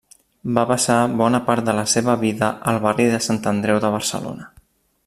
Va passar bona part de la seva vida al barri de Sant Andreu de Barcelona.